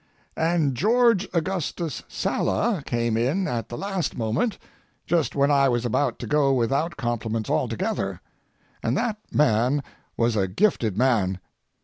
And George Augustus Sala came in at the last moment, just when I was about to go without compliments altogether. And that man was a gifted man.